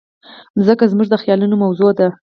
مځکه زموږ د خیالونو موضوع ده.